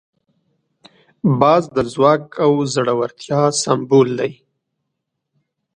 باز د ځواک او زړورتیا سمبول دی